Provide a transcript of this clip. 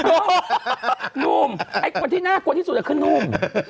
หนุ่มไอ้คนที่น่ากลัวที่สุดคือนุ่ม